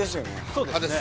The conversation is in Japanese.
◆そうですね。